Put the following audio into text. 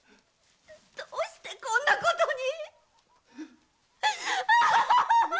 ⁉どうしてこんなことに！